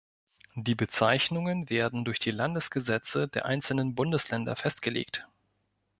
Die Bezeichnungen werden durch die Landesgesetze der einzelnen Bundesländer festgelegt.